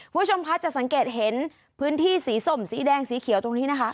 คุณผู้ชมคะจะสังเกตเห็นพื้นที่สีส้มสีแดงสีเขียวตรงนี้นะคะ